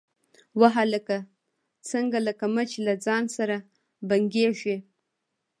_وه هلکه، څنګه لکه مچ له ځان سره بنګېږې؟